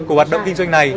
của hoạt động kinh doanh này